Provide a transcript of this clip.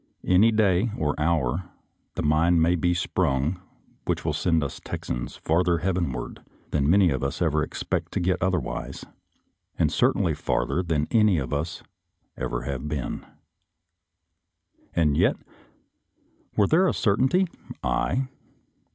Any day or hour the mine may be sprung which will send us Texans far ther heavenward than many of us ever expect 230 TEXAS IN THE BATTLE OF THE WILDERNESS 231 to get otherwise, and certainly farther than any of us ever have been. And, yet, were there a certainty — aye!